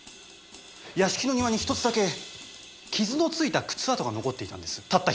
屋敷の庭に１つだけ傷のついた靴跡が残っていたんですたった一つ。